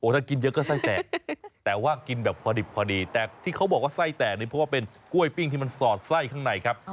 ถ้ากินเยอะก็ไส้แตกแต่ว่ากินแบบพอดิบพอดีแต่ที่เขาบอกว่าไส้แตกนี่เพราะว่าเป็นกล้วยปิ้งที่มันสอดไส้ข้างในครับ